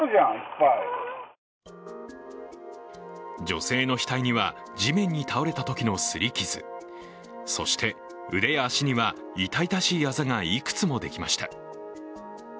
女性の額には、地面に倒れたときのすり傷、そして、腕や足には痛々しいあざがいくつもできました。